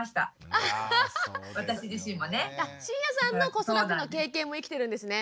あ椎谷さんの子育ての経験も生きてるんですね。